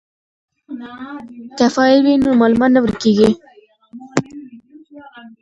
که فایل وي نو معلومات نه ورکیږي.